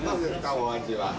お味は？